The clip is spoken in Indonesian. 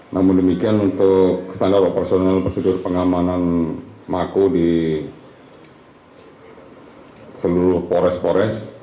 namun demikian untuk standar operasional prosedur pengamanan maku di seluruh polres pores